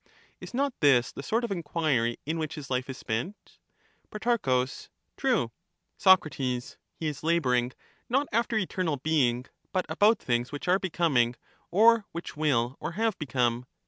Is not this the sort of enquiry in which his life is spent ? Pro. True. Soc. He is labouring, not after eternal being, but about things which are becoming, or which will or have become.